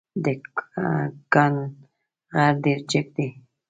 د کند غر ډېر جګ دی.